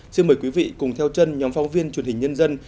xin mời quý vị cùng theo chân nhóm phóng viên truyền hình nhân dân